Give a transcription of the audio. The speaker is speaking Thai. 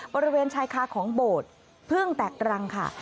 บริเวณชายคาของโบสถ์พึ่งแตกรังค่ะ